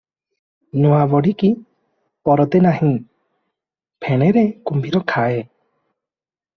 ନୂଆ ବଢ଼ିକି ପରତେ ନାହିଁ, ଫେଣରେ କୁମ୍ଭୀର ଖାଏ ।